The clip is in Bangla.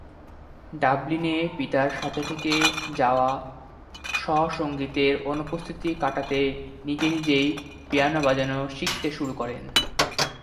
ডাবলিনে পিতার সাথে থেকে যাওয়া শ সঙ্গীতের অনুপস্থিতি কাটাতে নিজে নিজেই পিয়ানো বাজানো শিখতে শুরু করেন।